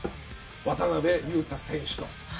渡邊雄太選手。